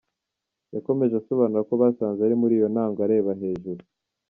Yakomeje asobanura ko basanze ari muri iyo ntango areba hejuru.